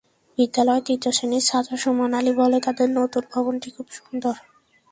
বিদ্যালয়ের তৃতীয় শ্রেণির ছাত্র সুমন আলী বলে, তাদের নতুন ভবনটি খুব সুন্দর।